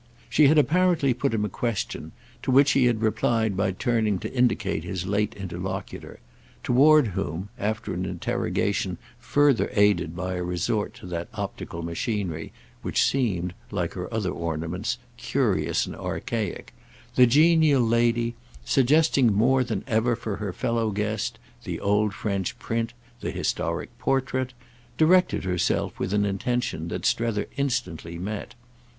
She had apparently put him a question, to which he had replied by turning to indicate his late interlocutor; toward whom, after an interrogation further aided by a resort to that optical machinery which seemed, like her other ornaments, curious and archaic, the genial lady, suggesting more than ever for her fellow guest the old French print, the historic portrait, directed herself with an intention that Strether instantly met.